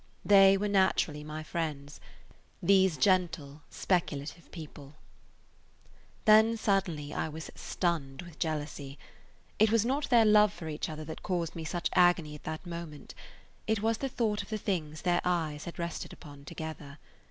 They were naturally my friends, these gentle, speculative people. Then suddenly I was stunned with jealousy. It was not their love for each other that caused me such agony at that moment; it was the thought of the things their eyes had rested upon together.